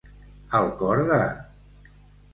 Al cor de.